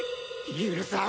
許さん！